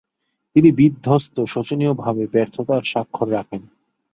তিনি বিধ্বস্ত, শোচনীয়ভাবে ব্যর্থতার স্বাক্ষর রাখেন।